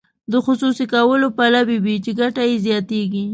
د خصوصي کولو پلوي وایي چې ګټه یې زیاتیږي.